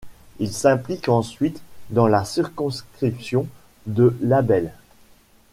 Il s'implique ensuite dans la circonscription de Labelle.